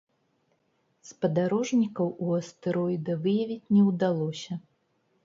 Спадарожнікаў у астэроіда выявіць не ўдалося.